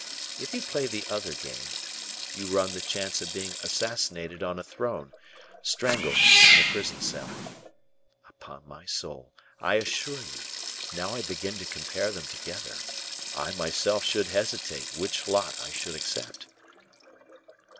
If you play the other game, you run the chance of being assassinated on a throne, strangled in a prison cell. Upon my soul, I assure you, now I begin to compare them together, I myself should hesitate which lot I should accept."